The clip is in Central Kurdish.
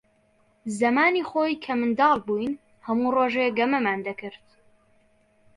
زەمانی خۆی کە منداڵ بووین، هەموو ڕۆژێ گەمەمان دەکرد.